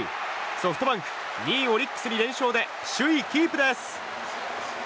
ソフトバンク２位オリックスに連勝で首位キープです。